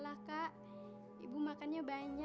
sampai jumpa di video selanjutnya